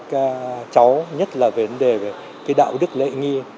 dạy các cháu nhất là về vấn đề về cái đạo đức lễ nghi